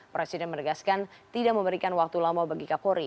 presiden menegaskan tidak memberikan waktu lama bagi kapolri